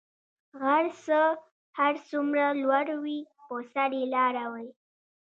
غر څه هر څومره لوړ وی په سر ئي لاره وی